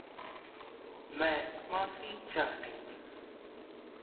मैं माफी चाहती हूँ